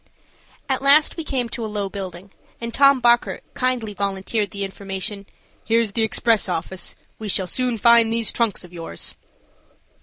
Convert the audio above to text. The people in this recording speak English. At last we came to a low building, and Tom Bockert kindly volunteered the information: "Here's the express office. We shall soon find those trunks of yours."